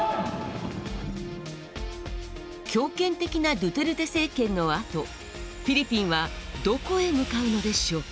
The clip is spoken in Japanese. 強権的なドゥテルテ政権のあとフィリピンはどこへ向かうのでしょうか。